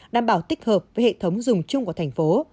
đảm bảo tích hợp với hệ thống dùng chung của thành phố